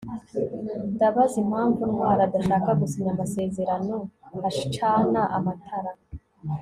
ndabaza impamvu ntwali adashaka gusinya amasezeranoacana amatara